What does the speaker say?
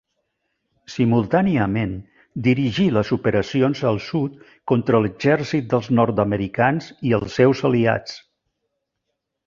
Simultàniament, dirigí les operacions al sud contra l'exèrcit dels nord-americans i els seus aliats.